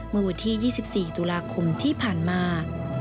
มือวิธี๒๔ตุลาคมที่ผ่านมา